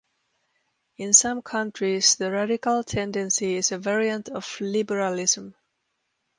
In some countries the radical tendency is a variant of liberalism.